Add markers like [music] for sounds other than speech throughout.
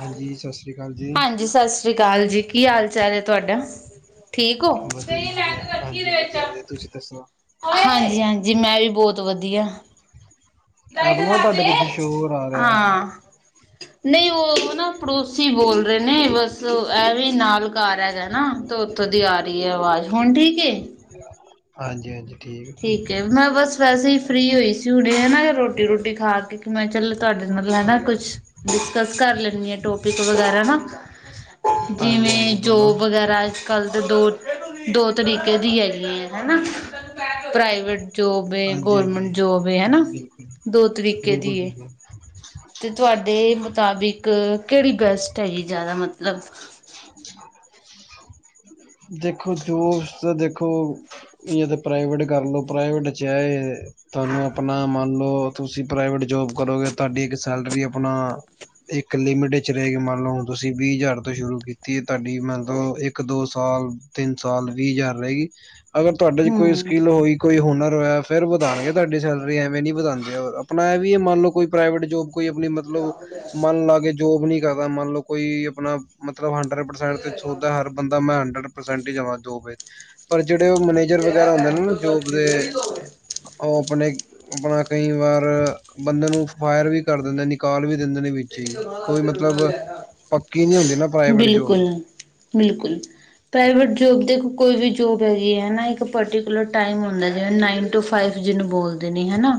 ਹਾਂਜੀ ਸਤਿ ਸ੍ਰੀ ਅਕਾਲ ਜੀ ਹਾਂਜੀ ਸਤਿ ਸ਼੍ਰੀ ਅਕਾਲ ਜੀ ਕੀ ਹਾਲ ਚਾਲ ਹੈ ਤੁਹਾਡਾ ਠੀਕ ਹੋ ਵਧੀਆ ਜੀ ਵਧੀਆ ਹਾਂਜੀ ਵਧੀਆ ਵਧੀਆ ਤੁਸੀਂ ਦੱਸੋ ਹਾਂਜੀ ਹਾਂਜੀ ਜੀ ਮੈਂ ਵੀ ਬਹੁਤ ਵਧੀਆ ਆਪਣਾ ਤੁਹਾਡੇ ਪਿੱਛੇ ਸ਼ੋਰ ਆ ਰਿਹਾ ਹੈ। ਹਾਂ ਨਹੀਂ ਉਹ ਨਾ ਪੜੋਸੀ ਬੋਲ ਰਹੇ ਨੇ ਬਸ ਐਵੇਂ ਨਾਲ ਘ ਹੈਗਾ ਉੱਥੋਂ ਦੀ ਆ ਰਹੀ ਹੈ ਆਵਾਜ਼ ਹੁਣ ਠੀਕ ਹਾਂਜੀ ਹਾਂਜੀ ਠੀਕ ਏ ਮੈਂ ਬਸ ਵੈਸੇ ਹੀ ਫਰੀ ਹੋਈ ਸੀ ਹੁਣੇ ਹੈ ਰੋਟੀ ਰੋਟੀ ਖਾ ਕੇ ਮੈਂ ਚੱਲ ਤੁਹਾਡੇ ਨਾਲ ਹੈਨਾ ਕੁਛ ਡਿਸਕਸ ਕਰ ਲੈਂਦੀ ਆ ਟੋਪਿਕ ਵਗੈਰਾ ਨਾ ਹਾਂਜੀ ਜਿਵੇਂ ਹਾਂਜੀ ਬੋਲੋ ਜੋਬ ਵਗੈਰਾ ਕੱਲ੍ਹ ਦੇ ਦੋ ਦੋ ਤਰੀਕੇ ਦੀ ਹੈ ਨਹੀਂ ਹੈ ਨਾ ਪ੍ਰਾਈਵੇਟ ਜੋਬ ਹਾਂਜੀ ਗਰਮੈਂਟ ਹਾਂਜੀ ਜੋਬ ਹਨਾ ਬਿਲਕੁਲ ਦੋ ਤਰੀਕੇ ਦੀ। ਬਿਲਕੁਲ ਬਿਲਕੁਲ ਤੇ ਤੁਹਾਡੇ ਮੁਤਾਬਿਕ ਕਿਹੜੀ ਬੈਸਟ ਹੈਗੀ ਜ਼ਿਆਦਾ ਮਤਲਬ [unintelligible] ਦੇਖੋ ਤਾਂ ਦੇਖੋ ਜਾ ਤਾਂ ਪ੍ਰਾਈਵੇਟ ਕਰ ਲਓ ਪ੍ਰਾਈਵੇਟ 'ਚਾਹੇ ਤੁਹਾਨੂੰ ਆਪਣਾ ਮੰਨ ਲਓ ਤੁਸੀਂ ਪ੍ਰਾਈਵੇਟ ਜੋਬ ਕਰੋਗੇ ਤੁਹਾਡੀ ਇੱਕ ਸੈਲਰੀ ਆਪਣਾ ਇੱਕ ਲਿਮਿਟ ਵਿੱਚ ਰਹਿ ਕੇ ਮੰਨ ਲਓ ਹੁਣ ਤੁਸੀਂ ਵੀਹ ਹਜ਼ਾਰ ਤੋਂ ਸ਼ੁਰੂ ਕੀਤੀ ਐ ਤੁਹਾਡੀ ਮਤਲਬ ਇੱਕ ਦੋ ਸਾਲ ਤਿੰਨ ਸਾਲ ਵੀਹ ਹਜ਼ਾਰ ਰਹੇਗੀ ਅਗਰ ਤੁਹਾਡੇ ਚ ਕੋਈ ਹਮ ਸਕਿੱਲ ਹੋਈ ਕੋਈ ਹੁਨਰ ਹੋਇਆ ਫੇਰ ਵਧਾਣਗੇ ਤੁਹਾਡੀ ਸੈਲਰੀ ਐਵੇਂ ਨੀ ਵਧਾਣਗੇ ਹੋਰ ਆਪਣਾ ਇਹ ਵੀ ਇਹ ਮੰਨ ਲਓ ਕੋਈ ਪ੍ਰਾਈਵੇਟ ਜੋਬ ਕੋਈ ਆਪਣੀ ਮਤਲਬ ਮਨ ਲਾ ਕੇ ਜੋਬ ਨੀ ਕਰਦਾ ਮੰਨ ਲਓ ਕੋਈ ਆਪਣਾ ਮਤਲਬ ਹੰਡਰਡ ਪਰਸੈਂਟ ਤੇ ਸੋਚਿਆ ਹਰ ਬੰਦਾ ਮੈਂ ਹੰਡਰਡ ਪਰਸੈਂਟ ਹੀ ਜਾਵਾਂ ਦੋ ਪਰ ਜਿਹੜੇ ਉਹ ਮੈਨੇਜਰ ਵਗੈਰਾ ਹੁੰਦੇ ਨੇ ਨਾ ਜੋਬ ਦੇ ਉਹ ਆਪਣੇ ਆਪਣਾ ਕਈ ਵਾਰ ਬੰਦੇ ਨੂੰ ਫਾਇਰ ਵੀ ਕਰ ਦੇਂਦੇ ਨੀ ਕਾਲ ਵੀ ਦਿੰਦੇ ਨੇ ਵਿੱਚ ਹੀ ਕੋਈ ਮਤਲਬ ਪੱਕੀ ਨੀ ਹੁੰਦੀ ਨਾ ਪ੍ਰਾਈਵੇਟ ਜੋਬ। ਬਿਲਕੁਲ ਬਿਲਕੁਲ। ਪ੍ਰਾਈਵੇਟ ਜੋਬ ਦੇ ਕੋਈ ਵੀ ਜੋਬ ਹੈਗੀ ਹੈ ਨਾ ਇੱਕ ਪਰਟੀਕੂਲਰ ਟਾਈਮ ਹੁੰਦਾ ਜਿਵੇਂ ਨਾਈਨ ਟੂ ਫਾਈਵ। ਜਿਹਨੂੰ ਬੋਲਦੇ ਨੀ ਹਨਾ।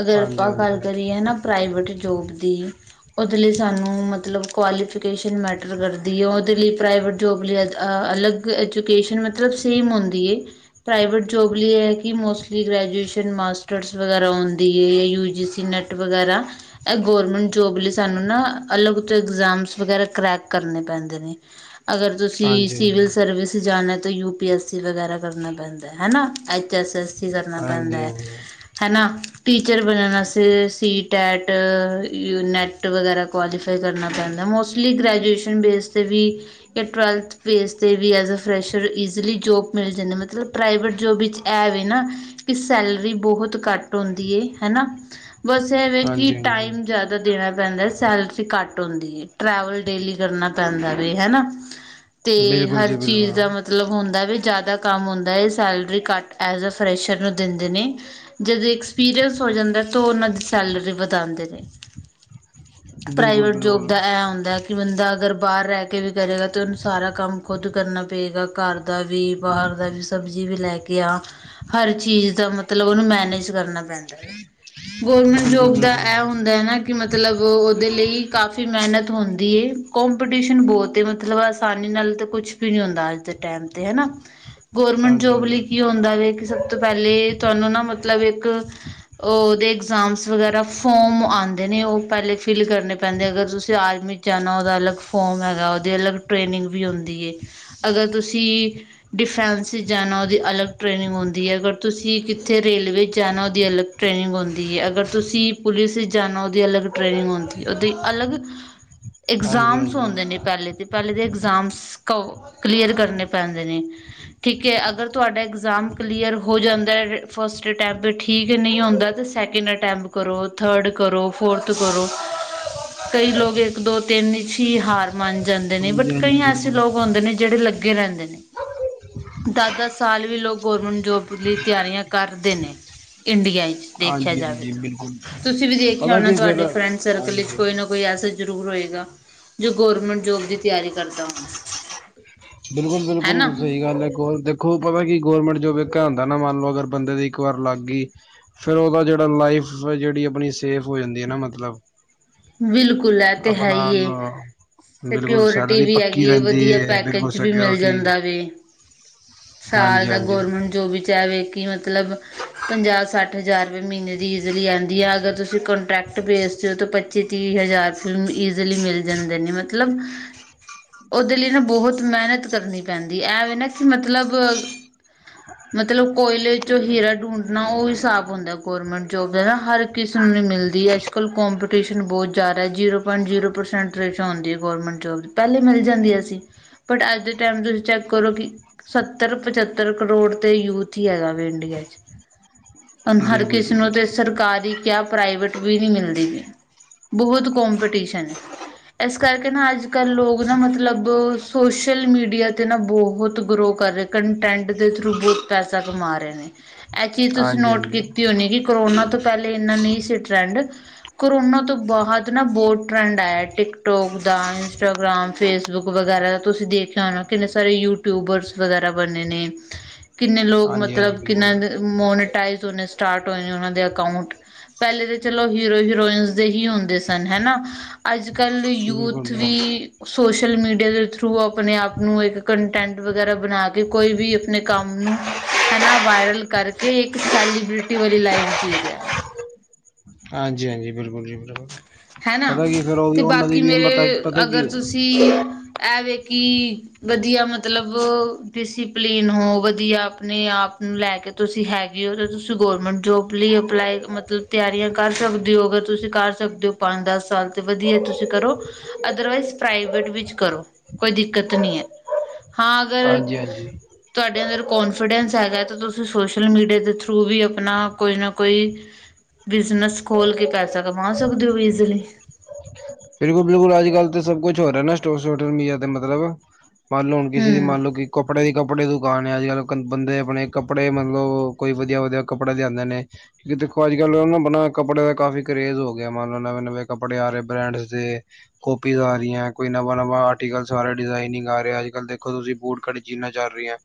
ਅਗਰ ਹਾਂਜੀ ਆਪਾ ਹਾਂਜੀ ਗੱਲ ਹਾਂਜੀ ਕਰੀਏ ਨਾ ਪ੍ਰਾਈਵੇਟ ਜੋਬ ਦੀ। ਉਹਦੇ ਲਈ ਸਾਨੂੰ ਮਤਲਬ ਕੁਆਲੀਫਿਕੇਸ਼ਨ ਮੈਟਰ ਕਰਦੀ ਹੈ ਉਹਦੇ ਲਈ ਪ੍ਰਾਈਵੇਟ ਜੋਬ ਲਈ ਅ ਆ ਅਲੱਗ ਐਜੂਕੇਸ਼ਨ ਮਤਲਬ ਸੇਮ ਹੁੰਦੀ ਹੈ। ਪ੍ਰਾਈਵੇਟ ਜੋਬ ਲਈ ਇਹ ਐ ਕਿ ਮੋਸਟਲੀ ਗ੍ਰੈਜੂਏਸ਼ਨ ਮਾਸਟਰਸ ਵਗੈਰਾ ਹੁੰਦੀ ਐ ਜਾ ਯੂ ਜੀ ਸੀ ਨੈਟ ਵਗੈਰਾ ਇਹ ਗੌਰਮੈਂਟ ਜੋਬ ਲਈ ਸਾਨੂੰ ਨਾ ਅਲਗ ਤੋਂ ਇੰਗਜ਼ਾਮ ਵਗੈਰਾ ਕਰੈਕ ਕਰਨੇ ਪੈਂਦੇ ਨੇ। ਅਗਰ ਤੁਸੀਂ ਹਾਂਜੀ ਸਿਵਲ ਸਰਵਿਸ ਜਾਣਾ ਤਾਂ ਯੂ ਪੀ ਐੱਸ ਸੀ ਵਗੈਰਾ ਕਰਨਾ ਪੈਂਦਾ ਹੈ ਨਾ ਐੱਚ ਐਸ ਐੱਸ ਸੀ ਕਰਨਾ ਹਾਂਜੀ ਪੈਂਦਾ। ਹਾਂਜੀ ਹਨਾ ਟੀਚਰ ਬੰਨਣ ਵਾਸਤੇ ਸੀ ਟਐਟ ਨੈੱਟ ਵਗੈਰਾ ਕੁਆਲੀਫਾਈ ਕਰਨਾ ਪੈਂਦਾ ਮੋਸਟਲੀ ਗ੍ਰੈਜੂਏਸ਼ਨ ਬੇਸ ਤੇ ਵੀ ਜਾ ਟਵੈਲਥ ਬੇਸ ਤੇ ਵੀ ਐਜ ਫਰੈਸ਼ਰ ਈਜ਼ਲੀ ਜੋਬ ਮਿਲ ਜਾਂਦਾ ਮਤਲਬ ਪ੍ਰਾਈਵੇਟ ਜੋਬ ਵਿੱਚ ਇਹ ਵੇ ਨਾ ਕਿ ਸੈਲਰੀ ਬਹੁਤ ਕੱਟ ਹੁੰਦੀ ਐ ਹੈਨਾ। ਬਸ ਐ ਵੇ ਕਿ ਹਾਂਜੀ ਹਾਂਜੀ ਟਾਈਮ ਜਾ ਦੇਣਾ ਪੈਂਦਾ ਸੈਲਰੀ ਘੱਟ ਹੁੰਦੀ ਐ ਟਰੈਵਲ ਡੇਲੀ ਕਰਨਾ ਪੈਂਦਾ ਵੇ ਹੈ ਨਾ। ਤੇ ਬਿਲਕੁਲ ਹਰ ਜੀ ਚੀਜ਼ ਦਾ ਮਤ ਬਿਲਕੁਲ ਮਤਲਬ ਹੁੰਦਾ ਵੇ ਜਾਦਾ ਕੰਮ ਹੁੰਦਾ ਹੈ salary cut as a fresher ਨੂੰ ਦਿੰਦੇ ਨੇ। ਜਦੋਂ ਐਕਸਪੀਰੀਅੰਸ ਹੋ ਜਾਂਦਾ ਤੇ ਉਹ ਉਹਨਾਂ ਦੀ ਸੈਲਰੀ ਵਧਾਉਂਦੇ ਨੇ। ਬਿਲਕੁਲ ਪ੍ਰਾਈਵੇਟ ਜੋਬ ਬਿਲਕੁਲ ਦਾ ਇਹ ਹੁੰਦਾ ਕਿ ਬੰਦਾ ਅਗਰ ਬਾਰ ਰਹ ਕੇ ਵੀ ਕਰੇਗਾ ਤਾਂ ਉਹਨੂੰ ਸਾਰਾ ਕੰਮ ਖੁਦ ਕਰਨਾ ਪਏਗਾ ਘਰ ਦਾ ਵੀ ਬਾਰ ਦਾ ਵੀ ਸਬਜ਼ੀ ਵੀ ਲੈ ਕੇ ਆ। ਹਰ ਚੀਜ਼ ਦਾ ਮਤਲਬ ਉਹਨੂੰ ਮੈਨੇਜ ਕਰਨਾ ਪੈਂਦਾ ਵੇ। ਗੌਰਮੈਂਟ ਬਿਲਕੁਲ ਜੋਬ ਦਾ ਬਿਲਕੁਲ ਇਹ ਹੁੰਦਾ ਹੈ ਨਾ ਕਿ ਮਤਲਬ ਉਹਦੇ ਲਈ ਕਾਫੀ ਮਿਹਨਤ ਹੁੰਦੀ ਹੈ ਕਪੀਟੀਸ਼ਨ ਬਹੁਤ ਮਤਲਬ ਆਸਾਨੀ ਨਾਲ ਕੁਛ ਵੀ ਨਹੀਂ ਹੁੰਦਾ ਅੱਜ ਦੇ ਟਾਈਮ ਤੇ ਹਨਾ। [unintelligible] ਗੌਰਰਮੈਂਟ ਹਾਂਜੀ ਜੋਬ ਲਈ ਹਾਂਜੀ ਕੀ ਹੁੰਦਾ ਜੇ ਕਿਸ ਤੋਂ ਪਹਿਲੇ ਤੁਹਾਨੂੰ ਨਾ ਮਤਲਬ ਇੱਕ ਉਹਦੇ ਇਗਜਾਮ ਵਗੈਰਾ ਫੋਮ ਆ ਦੇ ਨੇ ਉਹ ਪਹਿਲੇ ਫਿਲ ਕਰਨੇ ਪੈਂਦੇ ਅਗਰ ਤੁਸੀ ਆਰਮੀ ਚ ਜਾਣਾ ਉਹਦਾ ਅਲੱਗ ਫੋਮ ਹੈਗਾ ਉਹਦੇ ਅਲੱਗ ਟ੍ਰੇਨਿੰਗ ਵੀ ਹੁੰਦੀ ਐ ਅਗਰ ਤੁਸੀ ਡਿਫੈਂਸ ਚ ਜਾਣਾ ਉਹਦੀ ਅਲੱਗ ਟ੍ਰੇਨਿੰਗ ਹੁੰਦੀ ਹੈ ਅਗਰ ਤੁਸੀਂ ਕਿੱਥੇ ਰੇਲਵੇ ਚ ਜਾਣਾ ਉਹਦੀ ਅਲੱਗ ਟ੍ਰੇਨਿੰਗ ਹੁੰਦੀ ਹੈ ਅਗਰ ਤੁਸੀ ਪੁਲਿਸ ਇੱ ਜਾਣਾ ਉਹਦੀ ਅਲੱਗ ਟ੍ਰੇਨਿੰਗ ਹੁੰਦੀ ਉਹਦੇ ਅਲੱਗ ਹਾਂਜੀ ਹਾਂਜੀ ਇਗਜ਼ਾਮ ਹਾਂਜੀ ਹੁੰਦੇ ਨੇ ਪਹਿਲੇ ਤੇ। ਪਹਿਲੇ ਦੇ ਇਗਜ਼ਾਮ ਕਲੀਅਰ ਕਰਨੇ ਪੈਂਦੇ ਨੇ। ਠੀਕ ਹੈ ਅਗਰ ਤੁਹਾਡਾ ਇਗਜ਼ਾਮ ਕਲੀਅਰ ਹੋ ਜਾਂਦਾ ਫਸਟ ਅਟੈਂਪ ਠੀਕ ਏ ਨਹੀਂ ਹੁੰਦਾ ਸੈਕਿੰਡ ਅਟੈਂਪਟ ਕਰੋ ਥਰਡ ਕਰੋ ਫੋਰਥ ਕਰੋ ਕਈ ਲੋਕ ਇੱਕ ਦੋ ਤਿੰਨ ਇਚ ਹੀ ਹਾਰ ਮੰਨ ਜਾਂਦੇ ਨੇ ਹਾਂਜੀ ਬਟ ਕਈ ਹਾਂਜੀ ਐਸੇ ਬਿਲਕੁਲ ਲੋਕ ਹੁੰਦੇ ਨੇ ਜਿਹੜੇ ਲੱਗੇ ਰਹਿੰਦੇ ਨੇ। ਦਸ-ਦਸ ਸਾਲ ਵੀ ਲੋਕ ਗਵਰਮੈਂਟ ਜੋਬ ਲਈ ਤਿਆਰੀਆਂ ਕਰਦੇ ਨੇ ਇੰਡੀਆ ਦੇਖਿਆ ਹਾਂਜੀ ਜਾਵੇ ਹਾਂਜੀ ਤਾ ਬਿਲਕੁਲ ਤੁਸੀ ਵੀ ਦੇਖਿਆ ਪਤਾ ਹੋਣਾ ਕੀ ਫੇਰ ਤੁਹਾਡੇ ਫਰੈਂਡ ਸਰਕਲ ਵਿੱਚ ਹਾਂਜੀ ਕੋਈ ਨਾ ਕੋਈ ਐਸਾ ਜ਼ਰੂਰ ਹੋਏਗਾ ਜੋ ਗੌਰਮੈਂਟ ਜੋਬ ਦੀ ਤਿਆਰੀ ਕਰਦਾ ਹੋਣਾ। ਹੈਨਾ ਬਿਲਕੁਲ-ਬਿਲਕੁਲ ਸਈ ਗੱਲ ਐ ਕੋਲ ਤੇ ਖੋ ਪਤਾ ਕਿ ਗੌਰਮੈਂਟ ਜੋਬ ਇੱਕ ਐ ਹੁੰਦਾ ਨਾ ਮੰਨ ਲਓ ਅਗਰ ਬੰਦੇ ਦੀ ਇੱਕ ਵਾਰ ਲੱਗ ਗਈ ਫਿਰ ਉਦਾ ਜੇੜਾ ਲਾਈਫ ਫੇਰ ਜੇੜੀ ਅਪਣੀ ਸੇਫ ਹੋ ਜਾਂਦੀ ਐ ਨਾ ਮਤਲਬ। ਵਿਲਕੁਲ ਐ ਤੇ ਹੈ ਆਪਣਾ ਈ ਏ ਫੇਰ ਬਿਲਕੁਲ ਪੇਓਰਟੀ ਸੈਲਰੀ ਵੀ ਪੱਕੀ ਹੈਗੀ ਏ ਰਹਿੰਦੀ ਵਦੀਆ ਹੈ ਪੈ ਬਿਲਕੁਲ ਕੇਜ ਵੀ ਮਿਲ ਸਿਕਿਓਰਟੀ ਜਾਂਦਾ ਵੇ, ਸਾਲ ਹਾਂਜੀ ਦਾ ਹਾਂਜੀ ਗੌਰਮੈਂਟ ਜੋਬ ਚ ਐ ਵੇ ਕਿ ਮਤਲਬ ਮਤਲਬ ਪੰਜਾਹ, ਸੱਠ ਹਜ਼ਾਰ ਰੁਪਏ ਮੀਨੇ ਦੀ ਈਜ਼ਲੀ ਆਂਦੀ ਐ, ਅਗਰ ਤੁਸੀਂ ਕਾਂਟਰੈਕਟ ਬੇਸ ਹੋ ਤਾਂ ਪ ਚੀ, ਤੀਹ ਹਜ਼ਾਰ ਰੁਪਏ ਈਜ਼ਲੀ ਮਿਲ ਜਾਂਦੇ ਨੇ ਮਤਲਬ ਓਦੇ ਲਈ ਨਾ ਬੌਤ ਮੇਹਨਤ ਕਰਨੀ ਪੈਂਦੀ ਐਵੇਂ ਨਾ ਕਿ ਮਤਲਬ [unintelligible] ਮਤਲਬ ਕੋਇਲੇ ਚੋਂ ਹੀਰਾ ਡੂੰਡਣਾ ਓ ਹਿਸਾਬ ਹੁੰਦਾ ਗੌਰਮੈਂਟ ਜੋਬ ਦਾ ਨਾ ਹਰ ਕਿਸੇ ਨੂੰ ਨੀ ਮਿਲਦੀ ਐ ਫੁੱਲ ਕੋਂਪ ਕਿਸ਼ਨ ਬੌਤ ਜੈਦਾ ਜ਼ੀਰੋ ਪੋਂਈਟ ਜ਼ੀਰੋ ਪ੍ਰਸੈਂਟ ਰੇਸ਼ਾ ਹੋਂਦੀ ਏ ਗਰਮਟ ਜੋਬ ਦੀ, ਪੈਲੇ ਮਿਲ ਜਾਂਦੀਆਂ ਸੀ ਬਟ ਅੱਜ ਦੇ ਟੈਮ ਤੁਸੀਂ ਚੈੱਕ ਕਰੋ ਕਿ ਸੱਤਰ, ਪਚੱਤਰ ਕਰੋੜ ਤੇ ਯੂਥ ਈ ਹੈਗਾ ਵੇ ਇੰਡੀਆ ਚ। ਹੁਣ ਹਰ ਬਿਲਕੁਲ ਜੀ ਕਿਸੇ ਨੂੰ ਤੇ ਬਿਲਕੁਲ ਸਰਕਾਰੀ ਕਿਆ ਪ੍ਰਾਈਵੇਟ ਵੀ ਨਈ ਮਿਲਦੀ ਪਈ। ਬਹੁਤ ਕੋਂਪੀਟੀਸ਼ਨ ਏ। ਇਸ ਕਰਕੇ ਨਾ ਅੱਜ ਕੱਲ ਲੋਕ ਨਾ ਮਤਲਬ, ਸੋਸ਼ਲ ਮੀਡੀਆ ਤੇ ਨਾ ਬਹੁਤ ਗਰੋ ਕਰ ਰਏ। ਕੰਟੈਂਟ ਦੇ ਥਰੂ ਬੌਤ ਪੈਸਾ ਕਮਾ ਰਏ ਨੇ। ਇਹ ਚੀਜ਼ ਤੁਸੀਂ ਹਾਂਜੀ ਨੋਟ ਹਾਂਜੀ ਕੀਤੀ ਹੋਣੀ ਕਿ ਕਰੋਨਾ ਤੋਂ ਪੈਲੇ ਇੰਨਾ ਨਹੀਂ ਸੀ ਟਰੈਂਡ ਕਰੋਨਾ ਤੋਂ ਬਾਹਦ ਨਾ ਬੌਤ ਟਰੈਂਡ ਆਇਆ ਟਿਕਟੋਕ ਦਾ, ਇੰਸਟਾਗ੍ਰਾਮ, ਫੇਸਬੁੱਕ ਵਗੈਰਾ ਦਾ ਤੁਸੀਂ ਦੇਖ ਕਿੰਨੇ ਸਾਰੇ ਯੂਟਿਊਬਰਸ ਵਗੈਰਾ ਬਣੇ ਨੇ [inaudible] ਕਿੰਨੇ ਲੋਕ ਹਾਂਜੀ ਹਾਂਜੀ ਮਤਲਬ ਕਿੰਨਾ ਬਿਲਕੁਲ ਮੋਨੇ ਟਾਈਜ ਹੋਨੇ ਸਟਾਰਟ ਹੋਏ ਨੇ ਉਨਾਂ ਦੇ ਅਕਾਊਂਟ ਪੈਲੇ ਤੇ ਚਲੋ ਹੀਰੋ ਹੀਰੋਇਨਸ ਦੇ ਹੀ ਹੁੰਦੇ ਸਨ ਹੈਨਾ, ਅੱਜ ਕੱਲ ਯੂਥ ਬਿਲਕੁਲ ਵੀ ਸੋਸ਼ਲ ਮੀਡੀਆ ਦੇ ਥਰੂ ਅਪਣੇ ਆਪ ਨੂੰ ਇੱਕ ਕੰਟੈਂਟ ਵਗੈਰਾ ਬਣਾ ਕੇ ਕੋਈ ਵੀ ਅਪਣੇ ਕੰਮ ਨੂੰ ਹੈਨਾ ਵਾਇਰਲ ਕਰਕੇ ਇੱਕ ਸੈਲੀਬ੍ਰਿਟੀ ਵਾਲੀ ਲਾਈਫ ਜੀ ਰਿਆ ਐ। ਹਾਂਜੀ-ਹਾਂਜੀ, ਬਿਲਕੁਲ ਜੀ ਬਿਲਕੁਲ। ਹੈ ਨਾ ਪਤਾ ਕੀ ਫੇਰ ਉਹ ਵੀ ਅਤੇ ਉਹਨਾਂ ਦੀ ਬਾਕੀ ਵੀ ਮੇਰੇ ਪਤਾ ਪਤਾ ਕੀ ਅਗਰ ਤੁਸੀਂ ਐਵੇ ਕਿ ਵਦੀਆ ਮਤਲਬ ਡਿਸੀਪਲੀਨ ਹੋ ਵਦੀਆ ਅਪਣੇ ਆਪ ਨੂੰ ਲੈ ਕੇ ਤੁਸੀਂ ਹੈਗੇ ਓ ਤਾਂ ਤੁਸੀਂ ਗੌਰਮੈਂਟ ਜੋਬ ਲਈ ਅਪਲਾਈ ਮਤਲਬ ਤਿਆਰੀਆਂ ਕਰ ਸਕਦੇ ਓ ਅਗਰ ਤੁਸੀਂ ਕਰ ਸਕਦੇ ਓ ਪੰਜ, ਦਸ ਸਾਲ ਤੇ ਵਦੀਆਂ ਤੁਸੀਂ ਕਰੋ। ਅਦਰਵਾਈਜ਼ ਪ੍ਰਾਈਵੇਟ ਵਿੱਚ ਕਰੋ ਕੋਈ ਦਿੱਕਤ ਨੀ ਐ। ਹਾਂ ਅਗਰ ਹਾਂਜੀ ਹਾਂਜੀ ਤੁਆਡੇ ਅੰਦਰ ਕੋਨਫੀਡੈਂਸ ਹੈਗਾ ਤਾਂ ਤੁਸੀਂ ਸੋਸ਼ਲ ਮੀਡੀਆ ਦੇ ਥਰੂ ਵੀ ਅਪਣਾ ਕੋਈ ਨਾ ਕੋਈ ਬਿਜਨਸ ਖੋਲ ਕੇ ਪੈਸਾ ਕਮਾ ਸਕਦੇ ਓ ਇਜ਼ਲੀ। ਬਿਲਕੁਲ-ਬਿਲਕੁਲ ਅੱਜਕਲ ਤਾਂ ਸਭ ਕੁੱਛ ਹੋ ਰਿਆ ਨਾ ਸਟੋ ਸਟੋਟਲ ਮੀਡੀਆ ਤੇ ਮਤਲਬ ਮੰਨ ਲਓ ਹੁਣ ਕਿਸੇ ਦੀ ਹਮ ਮੰਨ ਲਓ ਕਿ ਕੱਪੜੇ ਦੀ ਕੱਪੜੇ ਦੁਕਾਨ ਐ ਅੱਜ ਕੱਲ ਕ ਬੰਦੇ ਅਪਣੇ ਕੱਪੜੇ ਮਤਲਬ ਕੋਈ ਵਦੀਆ-ਵਦੀਆ ਕੱਪੜੇ ਲਿਆਂਂਦੇ ਨੇ ਜੀ ਦੇਖੋ ਅੱਜ ਕੱਲ ਨਾ ਬਨਾ ਕੱਪੜੇ ਦਾ ਕਾਫੀ ਕਰੇੇਜ਼ ਹੋ ਗਿਆ ਮਨ ਲਓ ਨਵੇਂ-ਨਵੇਂ ਕੱਪੜੇ ਆ ਰਏ ਬ੍ਰੈਂਡ ਦੇ ਕੋਪੀਜ਼ ਆ ਰਈਆਂ ਕੋਈ ਨਵਾਂ ਨਵਾਂ ਆਰਟੀਕਲਸ ਆ ਰਿਆ, ਡਿਜ਼ਾਇਨਿੰਗ ਆ ਰਿਆ ਅੱਜ ਕੱਲ ਦੇਖੋ ਤੁਸੀਂ ਬੂਟ ਕਟੀ ਜੀੱਨਾ ਚੱਲ ਰਈਆਂ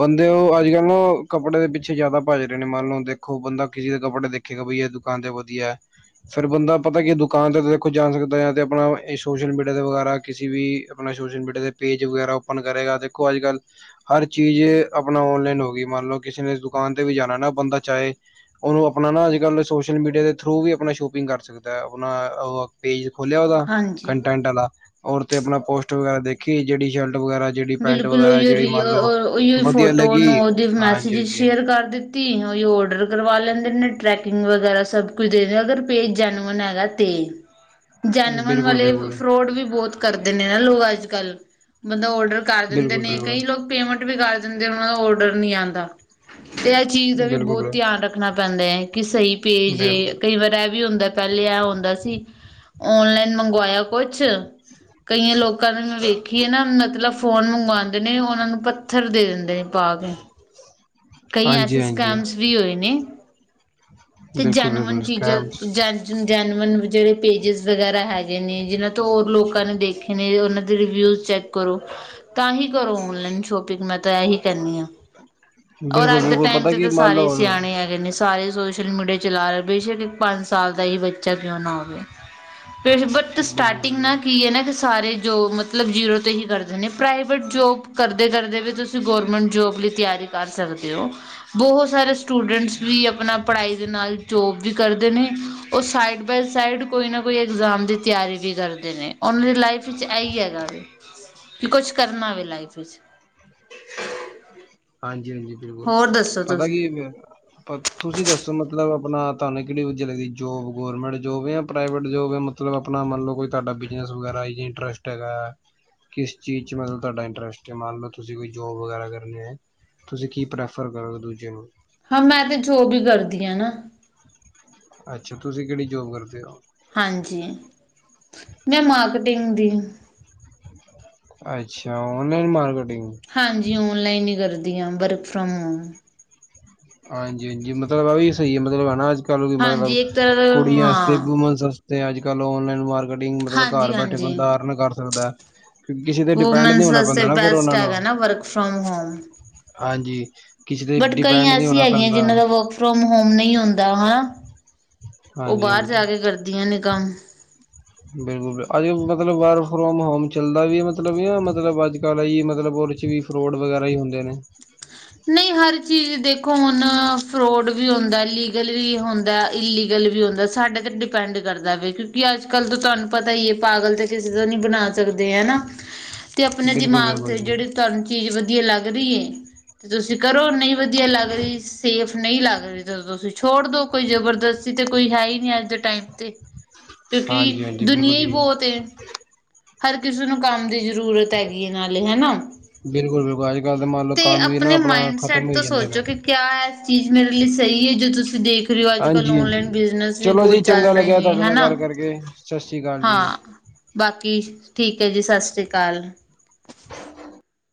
ਬੰਦੇ ਓ ਅੱਜ ਕੱਲ ਨਾ ਕੱਪੜੇ ਦੇ ਪਿੱਛੇ ਜੈਦਾ ਭੱਜ ਰਹੇ ਨੇ ਮੰਨ ਲਓ ਦੇਖੋ ਬੰਦਾ ਕਿਸੇ ਦੇ ਕੱਪੜੇ ਦੇ ਦਖੇਗਾ ਬਈ ਇਹ ਦੁਕਾਨ ਤੇ ਵਦੀਆਂ ਐ ਫੇਰ ਬੰਦਾ ਪਤਾ ਕੀ ਦੁਕਾਨ ਤੇ ਦੇਖੋ ਜਾ ਸਕ ਦਾ ਤੇ ਅਪਣਾ ਸੋਸ਼ਲ ਮੀਡੀਆ ਦੇ ਵਗੈਰਾ ਕਿਸੀ ਵੀ ਅਪਣਾ ਸੋਸ਼ਲ ਮੀਡੀਆ ਦੇ ਪੇਜ ਵਗੈਰਾ ਓਪਨ ਕਰੇਗਾ ਦੇਖੋ ਅੱਜ-ਕੱਲ ਹਰ ਚੀਜ਼ ਅਪਣਾ ਓਨਲਾਈਨ ਹੋਗੀ ਮੰਨ ਲਓ ਕਿਸੇ ਨੇ ਦੁਕਾਨ ਤੇ ਵੀ ਜਾਣਾ ਨਾ ਬੰਦਾ ਚਾਹੇ ਉਨੂੰ ਅਪਣਾ ਨਾ ਅੱਜ-ਕੱਲ ਸੋਸ਼ਲ ਮੀਡੀਆ ਦੇ ਥਰੂ ਵੀ ਅਪਣਾ ਸ਼ੋਪਿੰਗ ਕਰ ਸਕਦਾ ਐ ਅਪਣਾ ਓ ਪੇਜ ਖੋਲਿਆ ਉਹਦਾ ਹਾਂਜੀ। ਕੰਟੈਂਟ ਆਲਾ ਔਰ ਤੇ ਆਪਣਾ ਪੋਸਟ ਵਗੈਰਾ ਦੇਖੀ ਜਿਹੜੀ ਸ਼ਰਟ ਵਗੈਰਾ। ਜਿਹੜੀ ਪੈਂਟ ਬਿਲਕੁਲ ਵਗੈਰਾ ਉਈਓ ਜਿਹੜੀ ਰੀ ਅ ਮੰਨ ਲਓ ਅਰ ਉਈਓ ਵਧੀਆ ਫੋਟੋ ਉ ਲੱਗੀ ਨੂੰ ਉਹਦੇ ਮੈਸੇਜ ਹਾਂਜੀ ਹਾਂਜੀ ਸ਼ੇਅਰ ਕਰ ਦਿੱਤ ਤੀ ਹੋਈਓ ਔਡਰ ਕਰਵਾ ਲੈਂਦੇ ਨੇ ਟਰੈਕਿੰਗ ਵਗੈਰਾ ਸਭ ਕੁਛ ਦੇ ਅਗਰ ਪੇਜ ਜੈਨੁਅਨ ਹੈਗਾ ਤੇ। [inaudible] ਜੈਨਮਨ ਬਿਲਕੁਲ ਵਾਲੇ, ਬਿਲਕੁਲ ਫਰੋਡ ਵੀ ਬੋਅਤ ਕਰਦੇ ਨੇ ਨਾ ਲੋਕ ਅੱਜ-ਕੱਲ, ਬੰਦਾ ਔਡਰ ਕਰ ਦਿੰਦੇ ਬਿਲਕੁਲ ਨੇ, ਕਈ ਬਿਲਕੁਲ ਲੋਕ ਪੇਮੈਂਟ ਵੀ ਕਰ ਦਿੰਦੇ ਉਹਨਾਂ ਦਾ ਔਡਰ ਨੀ ਆਂਦਾ। ਤੇ ਇਹ ਚੀਜ਼ ਦਾ ਵੀ ਬਹੁਤ ਬਿਲਕੁਲ ਧਿਆਨ ਰੱਖਣਾ ਪੈਂਦਾ ਐ ਕਿ ਸਹੀ ਪੇਜ ਬਿਲਕੁਲ ਏ ਕਈ ਵਾਰ ਇਹ ਵੀ ਹੁੰਦਾ ਪਹਿਲੇ ਐ ਹੁੰਦਾ ਸੀ, ਓਨਲਾਈਨ ਮੰਗਵਾਇਆ ਕੁਛ ਕਈਆਂ ਲੋਕਾਂ ਨੂੰ ਮੈਂ ਵੇਖੀਏ ਨਾ ਮਤਲਬ ਫੋਨ ਮੰਗਵਾਂਦੇ ਨੇ ਉਹਨਾਂ ਨੂੰ ਪੱਥਰ ਦੇ ਡੇ ਪਾ ਕੇ ਕਈ ਐਸੇ ਹਾਂਜੀ-ਹਾਂਜੀ, ਸਕੈਮਸ ਵੀ ਹੋਏ ਨੇ, ਤੇ ਬਿਲਕੁਲ-ਬਿਲਕੁਲ ਜੈਨੁਅਨ ਸਕੈਮਸ ਚੀਜ਼ਾਂ ਜ ਜੈਨੁਅਨ ਜਿਹੜੇ ਪੇਜਿਸ ਵਗੈਰਾ ਹੈਗੇ ਨੇ ਜਿਨ੍ਹਾਂ ਤੋਂ ਹੋਰ ਲੋਕਾਂ ਨੇ ਦੇਖ ਏ ਨੇ ਉਹਨਾਂ ਦੇ ਰਿਵਿਊਜ਼ ਚੈੱਕ ਕਰੋ ਤਾਂ ਹੀ ਕਰੋ ਔਨਲਾਈਨ ਸ਼ੋਪਿੰਗ ਮੈਂ ਤਾਂ ਇਹੀ ਕਹਿਨੀ ਆ। ਔਰ ਅੱਜ ਦੇ ਬਿਲਕੁਲ-ਬਿਲਕੁਲ ਟਾਈਮ ਪਤਾ ਤੇ ਕੀ ਤਾਂ ਮੰਨ ਸਾਰੇ ਈ ਲਓ ਸਿਆਣੇ ਬਿਲਕੁਲ-ਬਿਲਕੁਲ, ਹੈਗੇ ਨੇ। ਸਾਰੇ ਸੋਸ਼ਲ ਮੀਡੀਆ ਚਲਾ ਰੇ ਬੇਸ਼ੱਕ ਇੱਕ ਪੰਜ ਸਾਲ ਦਾ ਹੀ ਬੱਚਾ ਕਿਉਂ ਨਾ ਹੋਵੇ। ਬਟ ਹਾਂਜੀ-ਹਾਂਜੀ ਸਟਾਰਟਿੰਗ ਬਿਲਕੁਲ ਨਾ ਕੀ ਏ ਨਾ ਕਿ ਸਾਰੇ ਜੋ ਮਤਲਬ ਜੀਰੋ ਤੇ ਹੀ ਕਰਦੇ ਨੇ ਪ੍ਰਾਈਵੇਟ ਜੋਬ ਕਰਦੇ-ਕਰਦੇ ਵੀ ਤੁਸੀਂ ਗੌਰਮੈਂਟ ਜੋਬ ਲਈ ਤਿਆਰੀ ਕਰ ਸਕਦੇ ਓ ਬਹੁਤ ਸਾਰੇ ਸਟੂਡੈਂਟਸ ਵੀ ਆਪਣਾ ਪੜ੍ਹਾਈ ਦੇ ਨਾਲ ਜੋਬ ਵੀ ਕਰਦੇ ਨੇ ਉਹ ਸਾਈਡ ਬਾਏ ਸਾਈਡ ਕੋਈ ਨਾ ਕੋਈ ਐਗਜ਼ਾਮ ਦੀ ਤਿਆਰੀ ਵੀ ਕਰ ਦੇ ਨੇ ਉਹਨਾਂ ਦੀ ਲਾਈਫ ਵਿੱਚ ਇਹ ਈ ਹੈਗਾ ਵੇ, ਕਿ ਕੁਛ ਕਰਨਾ ਵੀ ਲਾਈਫ ਵਿੱਚ। ਹਾਂਜੀ-ਹਾਂਜੀ, ਬਿਲਕੁਲ ਹੋਰ ਦੱਸੋ ਪਤਾ ਤੁਸੀਂ? ਕੀ ਤੁਸੀਂ ਦੱਸੋ ਮਤਲਬ ਆਪਣਾ ਤੁਹਾਨੂੰ ਕਿਹੜੀ ਵਧੀਆ ਲੱਗੀ ਜੋਬ, ਗੋਰਮੈਂਟ ਜੋਬ ਜਾਂ ਪ੍ਰਾਈਵੇਟ ਜੋਬ? ਮਤਲਬ ਆਪਣਾ ਮੰਨ ਲਓ ਕੋਈ ਤੁਹਾਡਾ ਬਿਜਨਸ ਵਗੈਰਾ ਇੰਟਰਸਟ ਹੈਗਾ। ਕਿਸ ਚੀਜ਼ ਚ ਮਤਲਬ ਤੁਹਾਡਾ ਇੰਟਰਸਟ ਅ ਮੰਨ ਲਓ ਤੁਸੀਂ ਕੋਈ ਜੋਬ ਵਗੈਰਾ ਕਰਨੀ ਐ। ਤੁਸੀਂ ਕੀ ਪ੍ਰੈਫਰ ਕਰੋਗੇ ਦੂਜੇ ਨੂੰ? ਹਾਂ, ਮੈਂ ਤੇ ਜੋਬ ਈ ਕਰਦੀ ਆ ਨਾ। ਅੱਛਾ, ਤੁਸੀਂ ਕਿਹੜੀ ਜੋਬ ਕਰਦੇ ਓ? ਹਾਂਜੀ, ਮੈਂ ਮਾਰਕੀਟਿੰਗ ਦੀ। ਅੱਛਾ, ਔਨਲਾਈਨ ਮਾਰਕੀਟਿੰਗ। ਹਾਂਜੀ ਓਨਲਾਈਨ ਈ ਕਰਦੀ ਆ, ਵਰਕ ਫਰੋਮ ਹੋਮ। ਹਾਂਜੀ-ਹਾਂਜੀ ਮਤਲਬ ਆ ਵੀ ਸਈ ਆ ਮਤਲਬ ਹੈ ਨਾ ਅੱਜ-ਕਲ ਮਤਲਬ ਹਾਂਜੀ ਇੱਕ ਤਰ੍ਹਾਂ ਕੁੜੀਆਂ ਵਸਤੇ ਹਾਂ ਵਮ ਤੇ ਅੱਜ-ਕੱਲ੍ਹ ਓਨਲਾਈਨ ਮਾਰਕੀਟਿੰਗ ਮਤਲਬ ਘਰ ਹਾਂਜੀ ਬੈਠੇ ਹਾਂਜੀ ਬੰਦਾ ਅਰਨ ਕਰ ਸਕਦਾ ਏ। ਕਿਸੀ ਤੇ ਡਿਪੈਂਡ ਨੀ ਵੂਮੈਨਸ ਹੋਣਾ ਵਾਸਤੇ ਪੈਂਦਾ ਨਾ ਫਿਰ ਬੈਸਟ ਉਹਨਾ ਨੂੰ, ਹੈਗਾ ਨਾ ਵਰਕ ਫਰੋਮ ਹੋਮ ਹਾਂਜੀ। ਕਿਸੇ ਤੇ ਬਟ ਕਈ ਡਿਪੈਂਡ ਨਹੀਂ ਐਸੀ ਹੋਣਾ ਹੈਗੀਆਂ ਪੈਂਦਾ ਜਿਹਨਾਂ ਦਾ ਵਰਕ ਫਰੋਮ ਹੋਮ ਨਈ ਹੁੰਦਾ ਹਾਂ। ਹਾਂਜੀ-ਹਾਂਜੀ‌। ਬਿਲਕੁਲ ਅੱਜ ਮਤਲਬ ਵਰਕ ਫਰੋਮ ਹੋਮ ਚੱਲਦਾ ਵੀ ਮਤਲਬ ਕ ਮਤਲਬ ਅੱਜ-ਕੱਲ੍ਹ ਜੀ ਮਤਲਬ ਵਿੱਚ ਵੀ ਫਰੋਡ ਵਗੈਰਾ ਈ ਹੁੰਦੇ ਨੇ। [inaudible] ਨਈ ਹਰ ਚੀਜ਼ ਦੇਖੋ ਹੁਣ ਫਰੋਡ ਵੀ ਹੁੰਦਾ, ਲੀਗਲ ਵੀ ਹੁੰਦਾ, ਇਲੀਗਲ ਵੀ ਹੁੰਦਾ। ਸਾਡੇ ਤੇ ਡਿਪੈਂਡ ਕਰਦਾ ਵੇ ਕਿਉਂਕਿ ਅੱਜ-ਕੱਲ ਤਾਂ ਤੁਹਾਨੂੰ ਪਤਾ ਈ ਏ ਪਾਗਲ ਤੇ ਕਿਸੇ ਦਾ ਨੀ ਬਣਾ ਸਕਦੇ ਹੈਨਾ। [inaudible] ਤੇ ਆਪਣੇ ਦਿਮਾਗ ਬਿਲਕੁਲ-ਬਿਲਕੁਲ ਤੇ ਜੀ ਜਿਹੜੀ ਤੁਹਾਨੂੰ ਚੀਜ਼ ਵਧੀਆ ਲੱਗ ਰਹੀ ਏ‌। ਤੇ ਤੁਸੀਂ ਕਰੋ, ਨਹੀਂ ਵਧੀਆ ਲੱਗ ਰਹੀ ਸੇਫ ਨਹੀਂ ਲੱਗ ਰਈ, ਜਦੋਂ ਤੁਸੀਂ ਛੋੜ ਦੋ ਕੋਈ ਜਬਰਦਸਤੀ ਤੇ ਕੋਈ ਹੈ ਹੀ ਨਹੀਂ ਅੱਜ ਦੇ ਟਾਈਮ ਤੇ। ਕਿਉਂਕਿ ਹਾਂਜੀ-ਹਾਂਜੀ ਬਿਲਕੁਲ ਦੁਨੀਆਂ ਹੀ ਜੀ। ਬਹੁਤ ਏ ਹਰ ਕਿਸੇ ਨੂੰ ਕੰਮ ਦੀ ਜ਼ਰੂਰਤ ਹੈਗੀ ਇਹ ਨਾਲ ਹੈਨਾ ਬਿਲਕੁਲ-ਬਿਲਕੁਲ, ਅੱਜ ਕੱਲ ਤਾਂ ਮੰਨ ਲਓ ਕੰਮ ਵੀ ਨਾ ਆਪਣੇ ਆਪਣਾ ਮਾਇੰਡ ਖ਼ਤਮ ਸੈਟ ਹੋਈ ਤੋਂ ਜਾਂਦੇ ਨੇ। ਸੋਚੋ ਕਿ ਕਿਆ ਇਹ ਚੀਜ਼ ਮੇਰੇ ਲਈ ਸਹੀ ਏ, ਜੋ ਤੁਸੀਂ ਦੇਖ ਰਹੇ ਹੋ ਅੱਜ ਕੱਲ ਹਾਂਜੀ-ਹਾਂਜੀ, ਔਨਲਾਈਨ ਬਿਜ਼ਨਸ ਵੀ ਚਲੋ ਜੀ ਬਹੁਤ ਚੰਗਾ ਚੱਲ ਰਹੇ ਲੱਗਿਆ ਨੇ ਤੁਹਾਡੇ ਨਾਲ ਹਨਾ ਗੱਲ ਕਰਕੇ, ਸਤਿ ਸ੍ਰੀ ਅਕਾਲ ਜੀ। ਹਾਂ ਬਾਕੀ ਠੀਕ ਐ ਜੀ, ਸਤਿ ਸ਼੍ਰੀ ਅਕਾਲ।